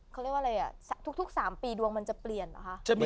เขาเรียกว่าอะไร